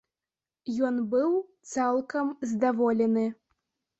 Ён быў цалкам здаволены.